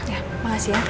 ya makasih ya